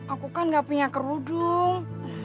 aku kan gak punya kerudung